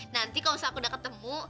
nanti kalau usaha aku udah ketemu